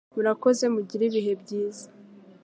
Murakoze mugire ibihe byiza